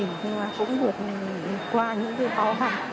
nhưng mà cũng được qua những cái khó khăn